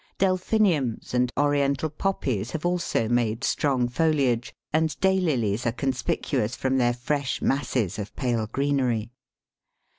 Delphiniums and Oriental Poppies have also made strong foliage, and Daylilies are conspicuous from their fresh masses of pale greenery.